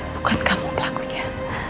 bukan kamu pelakunya